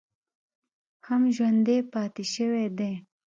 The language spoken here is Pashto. هم ژوندی پاتې شوی دی